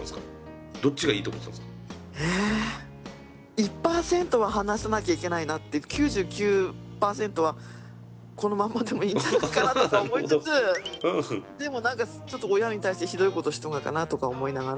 １％は話さなきゃいけないなって９９％はこのまんまでもいいんじゃないかなとか思いつつでも何かちょっと親に対してひどいことしとんがかなとか思いながら。